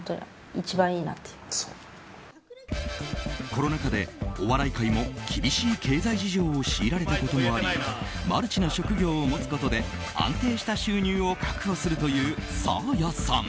コロナ禍でお笑い界も厳しい経済事情を強いられたこともありマルチな職業を持つことで安定した収入を確保するというサーヤさん。